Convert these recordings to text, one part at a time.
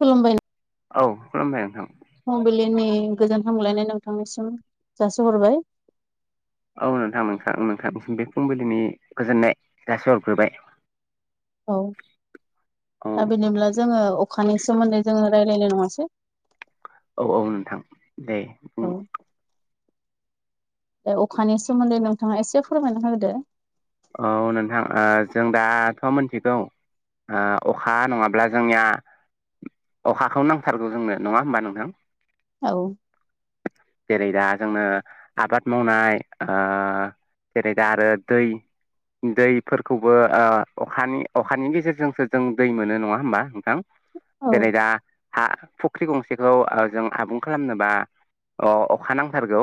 खुलुमबाय नो औ खुलुमबाय नोंथां। फुंबिलिनि गोजोन हामलायनाय नोंथांनिसिम जासिहरबाय। औ नोंथां नोंथां नोंथांसिम बे फुंबिलिनि गोजोननाय जासिहरग्रोबाय। औ औ दा बेनोब्ला जोङो अ अखानि सोमोन्दै जोङो रायज्लायनाय नङासै? औ औ नोंथां दे उम। दे अखानि सोमोन्दै नोंथाङा एसे फोरमायना होदो। औ नोंथां ओ जों दाथ' मिथिगौ ओ अखा नङाब्ला जोंनिया अखाखौनो नांथारगौ जोंनो, नङा होमबा नोंथां? औ। जेरै दा जोंनो आबाद मावनाय ओ जेरै दा आरो दैै दैफोरखौबो ओ अखानि अखानि गेजेरजोंसो जों दै मोनो, नङा होमबा नोंथां? औ जेरै दा हा फुख्रि गंसेखौ जों आबुं खालामनोबा अ-अखा नांथारगौ।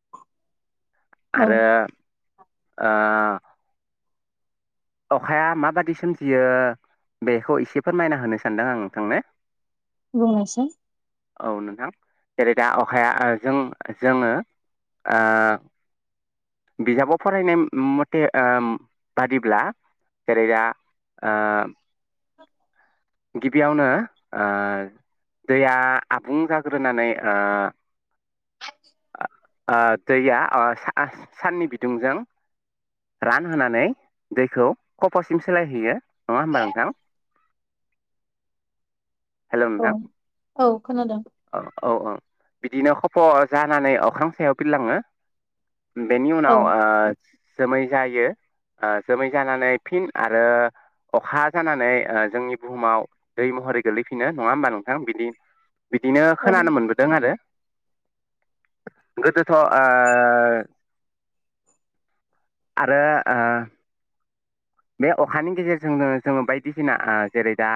[inaudible] आरो ओ अखाया माबादि सोमजियो बेखौ एसे फोरमायना होनो सानदों आं नोंथांनो बुंनाइसाय औ नोंथां जेरै दा अखाया जों जोङो, ओ बिजाबाव फरायनाय मथे ओ बादिब्ला, जेरैदा ओ गिबियावनो ओ दैया आबुं जाग्रोनानै ओ ओ दैया साननि बिदुंजों, रानहोनानै दैखौ खफ'सिम सोलायहैयो नङा होमबा नोंथां [inaudible] हेल' नोंथां औ औ खोनादों औ औ औ बिदिनो खफ' जानानै अख्रां सायाव बिरलाङो बेनि औ उनाव ओ जोमै जायो जोमै जानानै फिन आरो अखा जानानै जोंनि बुहुमाव दै महरै गोलैफिनो नङा होमबा नोंथां बिदि बिदिनो औ खोनानो मोनबोदों आरो गोदोथ' ओ आरो ओ बे अखानि गेजेरजोंनो जोङो बायदिसिना जेरै दा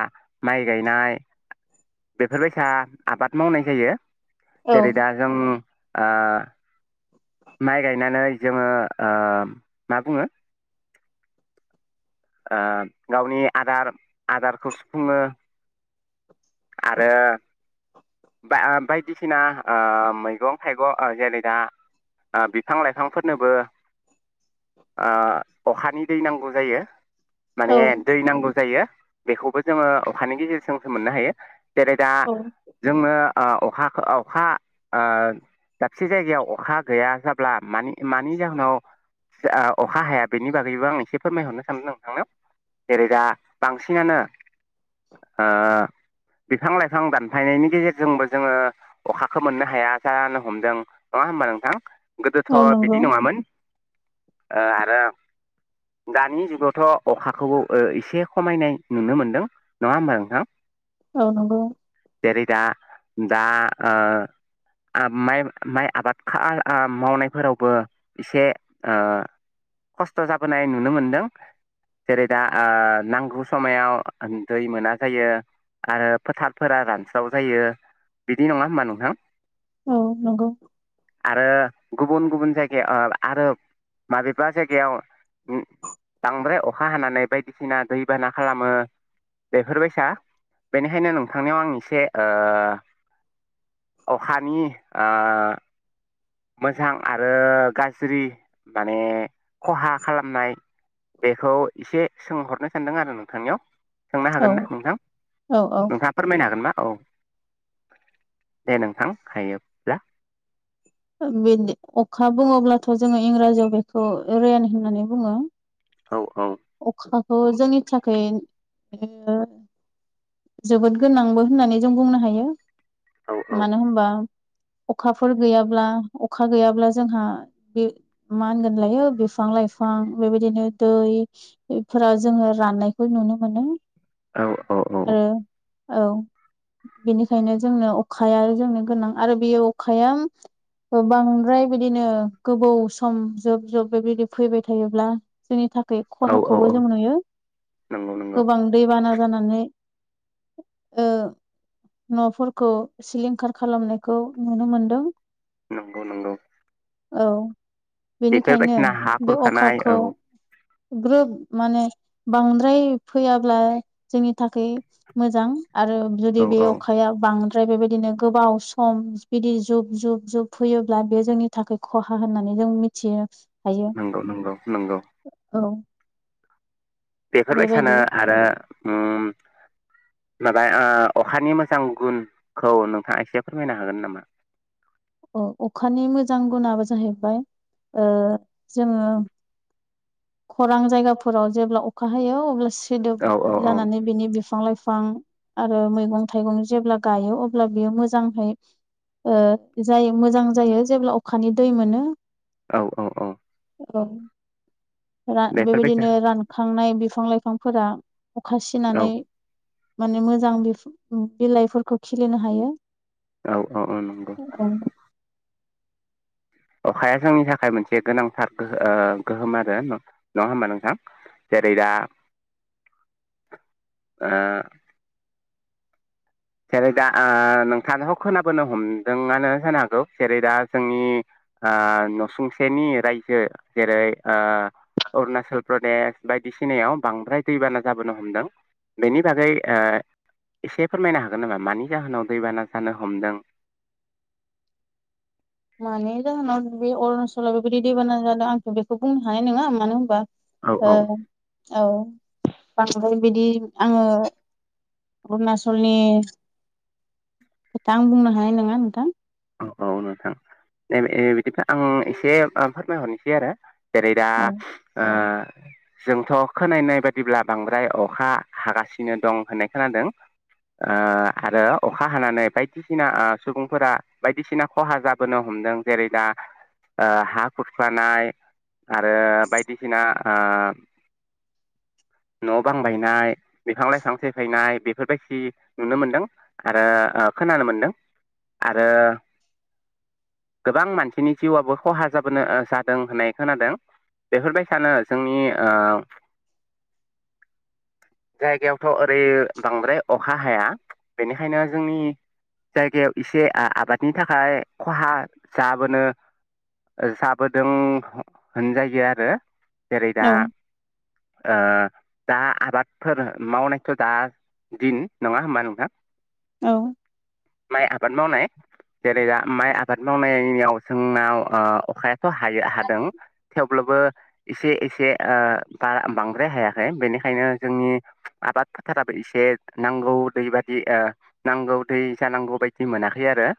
माइ गायनाय, बेफोरबायसा आबाद मावनाय जायो औ जेरै दा जों, ओ माइ गायनानै जोङो ओ मा बुङो, ओ गावनि आदार आदारखौ सुफुङो आरो बायदिसिना मैगं थाइगं जेरै दा बिफां लाइफांफोरनोबो, ओ अखानि दै नांगौ जायो। औ माने दै नांगौ जायो बेखौबो जोङो अखानि गेजेरजोंसो मोननो हायो। जेरै दा औ जोंनो ओ अखा दाबसे जायगायाव अखा गैया जाब्ला माने मानि जाहोनाव अखा हाया बेनि बागैबो आं एसे फोरमायहरनो सानदों नोंथांनाव, जेरै दा बांसिनानो, ओ बिफां लाइफां दानफायनायनि, गेजेरजोंबो जोङो अखाखौ मोननो हाया जानो हमदों नङा होमबा नोंथां, गोदोथ' औ नंगौ बिदि नङामोन आरो दानि जुगावथ' अखाखौबो एसे खमायनाय नुनो मोनदों नङा होमबा नोंथां, औ नंगौ जेरै दा दा ओ माइ माइ आबाद मावनायफोरावबो एसे ओ खस्थ' जाबोनाय नुनो मोनदों जेरै दा ओ नांगौ समायाव दै मोना जायो। आरो फोथारफोरा रानस्राव जायो बिदि नङा होमबा नोंथां, औ नंगौ, आरो गुबुन गुबुन जायगायाव ओ आरो माबेबा जायगायाव, बांद्राय अखा हानानै बायदिसिना दैबाना खालामो बेफोरबायसा बेनिखायनो नोंथांनि आव आं एसे ओ, अखानि ओ मोजां आरो गाज्रि माने खहा खालामनाय, बेखौ एसे सोंहरनो सानदों आरो नोंथांनियाव सोंनो औ हागोन ना? नोंथां औ औ नोंथाङा फोरमायनो हागोनना औ दे नोंथां हायोब्ला, ओ बिदि अखा बुङोब्लाथ' जोङो इंराजियाव बेखौ रेन होननानै बुङो, औ औ अखाखौ जोंनि थाखाय जोबोद गोनांबो होननानै जों बुंनो हायो औ औ मानो होनबा अखाफोर गैयाब्ला अखा गैयाब्ला जोंहा बे मा होनगोन लायो बिफां लाय बिफां लाइफां बेबायदिनो दै दैफोरा जोङो राननायखौ नुनो मोनो औ औ औ आरो औ बेनिखायनो जोंनो अखाया जोंनो गोनां आरो बेयो अखाया बांद्राय बिदिनो गोबाव सम जोब जोब बेबायदि फैबाय थायोब्ला जोंनि थाखाय बे औ औ खहाखौबो औ जों नुयो नंगौ नंगौ गोबां दैबाना जानानै [inaudible] न'फोरखौ सिलिंखार खालामनायखौ नुनो मोनदों नंगौ नंगौ औ बेनिखायनो बेफोरबायदिना हा बे खुरखानाय औ अखाखौ ग्रोब माने बांद्राय फैयाब्ला जोंनि थाखाय मोजां आरो जुदि औ बे औ अखाया बांद्र ओमफ्राय बेबायदिनो गोबाव सम बिदि जुब जुब जुब फैयोब्ला बे जोंनि थाखाय खहा होननानै जों मिथियो हायो नंगौ नंगौ नंगौ औ बेफोरलाय सानो बेबायदि आरो उम [inaudible] माबा अखानि मोजां गुनखौ नोंथाङा एसे फोरमायनो हागोन नामा [inaudible] अखानि मोजां गुनाबो जाहैबाय जोङो खरां जायगाफोराव जेब्ला अखा हायो अब्ला औ औ सोदोब औ जानानै बिनि बिफां लाइफां बिफां आरो मैगं थाइगं जेब्ला गायो अब्ला बियो मोजांहै जाय मोजां जायो जेब्ला अखानि दै मोनो औ औ औ औ बेफोरबायसा बेबायदिनो रानखांनाय बिफां लाइफांफोरा अखा औ सिनानै माने मोजां बिलाइफोरखौ खिलिनो हायो औ औ नंगौ अखाया जोंनि थाखाय मोनसे गोनांथारो गोहोम आरो नङा होमबा नोंथां जेरैदा [inaudible] ओ जेरै दा नोंथांखौ खोनाबोनो हमदोङानो जानो हागौ जेरै दा जोंनि नसुंसेनि रायजो जेरै अरुणाचल प्रदेश बायदिसिनायाव बांद्राय दैबाना जाबोनो हमदों बेनि बागै एसे फोरमायनो हागोन हागोन नामा मानि जाहोनाव दैबाना जानो हमदों मानि जाहोनाव बे अरुणाचलाव बेबायदि दैबाना जादों आंथ' बेखौ बुंनो हानाय नङा मानो होनबा औ औ औ बांद्राय बिदि आङो अरुणचलनि खथ आं बुंनो हानाय नङा नोंथां औ औ नोंथां द बिदिब्ला आं एसे फोरमायहरनोसै आरो जेरै दा औ आ [inaudible] जोंथ' खोनानाय बायिब्ला बांद्राय अखा हागासिनो दं होननाय खोनादों आरो अखा हानानै बायदिसिना सुबुंफोरा बायदिसिना खहा जाबोनो हमदों जेरै दा हा खुरखानाय आरो बायदिसिना [inaudible] न' बां बायनाय बिफां लाइफां सेफायनाय बेफोरबायदि नुनो मोनदों आरो खोनानो मोनदों [inaudible] दा गोबां मानसिनि जिउआबो खहा जाबोनो जादों होननाय खोनादों बेफोरबाय सानो जोंनि [inaudible] जायगायावथ' ओरै बांद्राय अखा हाया बेनिखायनो जोंनि जायगायाव एसे आबादनि थाखाय खहा जाबोनो जाबोदों ह-होनजायो आरो जेरै औ दा दा आबादफोर मावनायथ' दा दिन नङा होमबा नोंथां। औ माइ आबाद मावनाय जेरै दा माइ आबाद मावनायाव जोंनाव अखाया थ हायो हादों थेव ब्लाबो एसे एसे बांद्राय हायाखै बेनिखायनो जोंनि आबाद फोथाराबो एसे नांगौ दै बादि नांगौ दै जानांगौ बायदि मोनाखै खै आरो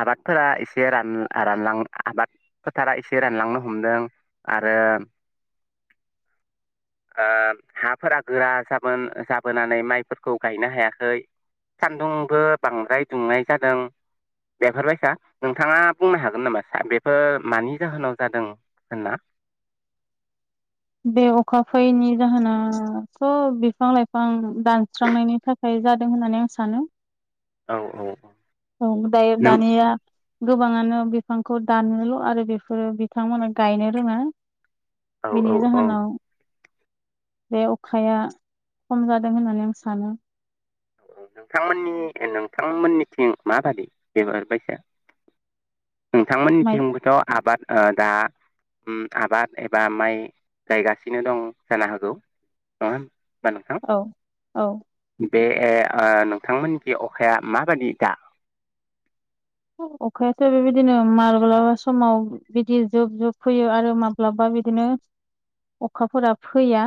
आबादफोरा एसे रान रानलां आबाद फोथारा एसे रानलांनो हमदों। आरो हाफोरा गोरा जाबोन-जाबोनानै माइफोरखौ गायनो हायाखै। सान्दुंबो बांद्राय दुंनाय जादों। बेफोरबायसा नोंथाङा बुंनो हागोन नामा स बेफोर मानि जाहोनाव जादों होनना? [inaudible] बे अखा फैयैनि जाहोनाथ' बिफां लाइफां दानस्रांनायनि थाखाय जादों होननानै आं सानो। औ औ औ औ दायो दानिया गोबाङानो बिफांखौ दानोल' आरो बेफोरो बिथांमोना गायनो रोङा औ औ बेनि औ जाहोनाव बे अखाया खम जादों होननानै आं सानो। औ नोंथांमोननि नोंथांमोननिथिं माबादि बेबो बायसा [inaudible] माइ नोंथांमोननिथिंबोथ' आबाद दा उम आबाद एबा माइ गायगासिनो दं जानो हागौ। नङा नोंथां औ औ बे ओ आ नोंथांमोननिखि अखाया माबादि दा? अखायाथ बेबायदिनो माब्लाबा समाव बिदि जुब जुब फैयो आरो माब्लाबा बिदिनो अखाफोरा फैया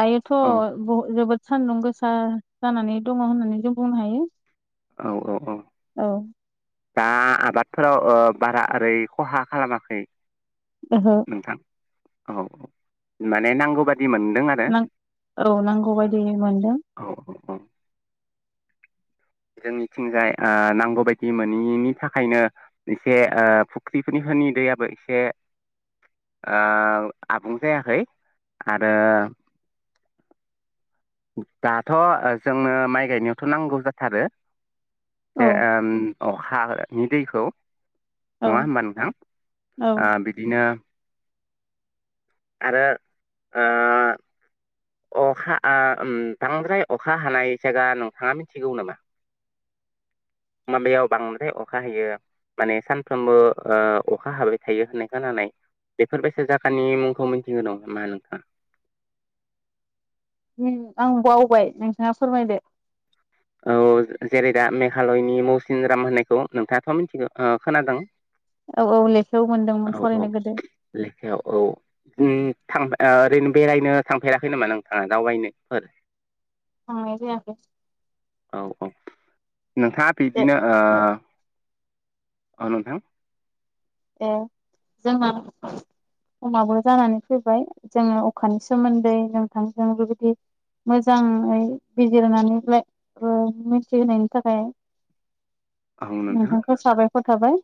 दायोथ' औ ब जोबोद सान्दुं गोसा जानानै दङ होननानै जों बुंनो हायो। औ औ औ औ दा आबादफोराव बारा ओरै खहा खालामाखै ओहो नोंथां औ औ माने नांगौबाद दि मोन्दों आरो नां औ नांगौ बायदि मोनदों औ औ जोंनिथिंजाय नांगौ बायदि मोनैनि थाखायनो एसे फुख्रिफोरनि फोरनि दैयाबो एसे आबुं जायाखै आरो दाथ' जोंनो माइ गायनायावथ' नांगौ जाथारो औ जे ओम अखानि दैखौ नङा औ होमबा नोंथां औ ओ बिदिनो आरो ओ अखा आ ओम बांद्राय अखा हानाय जायगा नोंथाङा मिथिगौ नामा माबायाव बांद्राय अखा हायो माने सानफ्रोमबो ओ अखा हाबाय थायो होननाय खोनानाय बेफोरबायसा जाखानि मुंखौ मिथिगौ दं नामा नोंथाङा? मुं आं बावबाय नोंथाङा फोरमायदो औ जेरै दा मेघालयनि मौसिन राम होननायखौ नोंथाङाथ' मिथिगौ ओ खोनादों औ औ ले औ औ लेखायाव औ ओम थां ओरैनो बेरायनो थांफेराखै नामा नोंथाङा दावबायनोफोर थांनाय जायाखै औ औ नोंथाङा ए बिदिनो ओ औ नोंथां ए जोंना समाबो जानानै फैबाय जोङो अखानि सोमोन्दै जों थोंजों बेबायदि मोजाङै बिजिरनानै ओ मिथिहोनायनि थाखाय औ नोंथां नोंथांखौ साबायखर थाबाय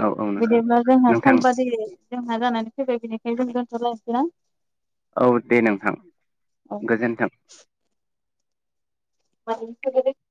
औ औ नोंथां बिदिब्ला जोंहा नोंथां सम बादियै जोंहा जानानै फैबाय बेनिखायनो जों दोन्थलायसै ना औ दे नोंथां गोजोन्थों [unintelligible]